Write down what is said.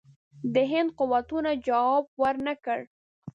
د هند قوتونو جواب ورنه کړ.